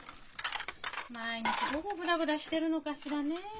毎日どこブラブラしてるのかしらねえ。